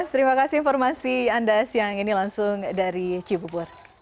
terima kasih informasi anda siang ini langsung dari cibubur